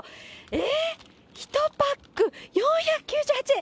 えーっ、１パック４９８円。